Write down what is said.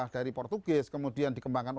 dari medan dia ke bandung